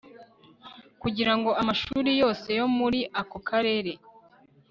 kugira ngo amashuri yose yo muri ako karere